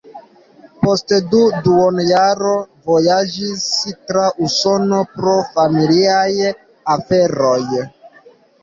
Poste dum duonjaro vojaĝis tra Usono pro familiaj aferoj.